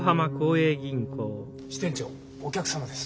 支店長お客様です。